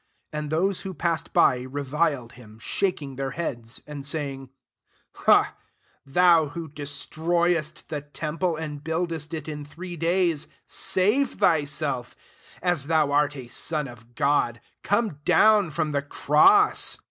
39 And those who passed by, reviled him, shaking their heads, 40 and saying, " Thou who destroy est the temple, and buildest it in three days, save thyaelE As thou art a son of God, come down from the cross."